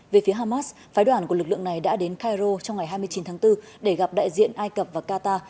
về phía hamas phái đoàn của lực lượng này đã đến cairo trong ngày hai mươi chín tháng bốn để gặp đại diện ai cập và qatar